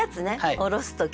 おろす時の。